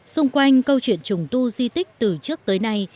xung quanh câu chuyện trùng tu di tích từ trước tới nay